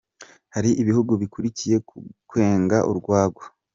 Hari ibihugu bihuriye ku kwenga urwaga.